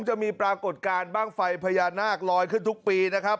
ปรากฏการณ์บ้างไฟพญานาคลอยขึ้นทุกปีนะครับ